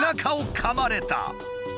かまれた！